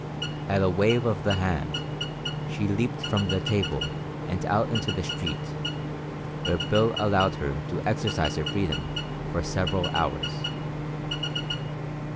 At a wave of the hand she leaped from the table and out into the street, where Bill allowed her to exercise her freedom for several hours.